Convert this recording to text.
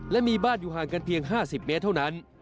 และมีบ้านอยู่ห่างกันเพียง๕๐เมตรเท่านั้น